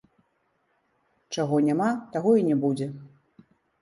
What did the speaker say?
Чаго няма, таго і не будзе.